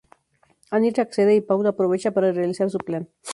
Annie accede y Paul aprovecha para realizar su plan.